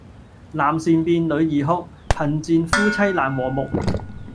男善變，女易哭，貧賤夫妻難和睦